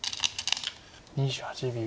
２８秒。